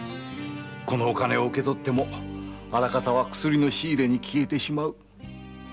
このお金を受け取ってもあらかたは薬の仕入れに消えてしまう違いますか？